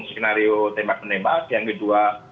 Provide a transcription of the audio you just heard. skenario tembak menembak yang kedua